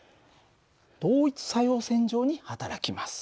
同一作用線上にはたらきます。